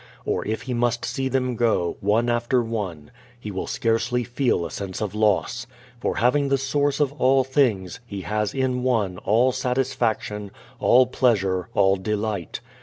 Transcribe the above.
Or if he must see them go, one after one, he will scarcely feel a sense of loss, for having the Source of all things he has in One all satisfaction, all pleasure, all delight.